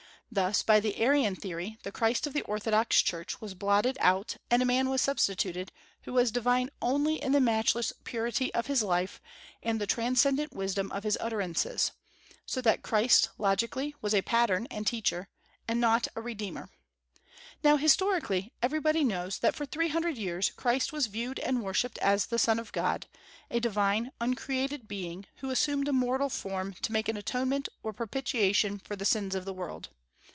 Thus by the Arian theory the Christ of the orthodox church was blotted out, and a man was substituted, who was divine only in the matchless purity of his life and the transcendent wisdom of his utterances; so that Christ, logically, was a pattern and teacher, and not a redeemer. Now, historically, everybody knows that for three hundred years Christ was viewed and worshipped as the Son of God, a divine, uncreated being, who assumed a mortal form to make an atonement or propitiation for the sins of the world.